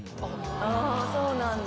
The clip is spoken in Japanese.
そうなんだ。